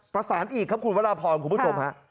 ประสานอีกครับคุณวรพรคุณผู้ชมฮะ